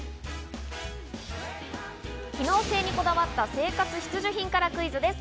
機能性にこだわった生活必需品からクイズです。